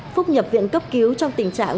phúc nhập viện cấp cứu trong tình trạng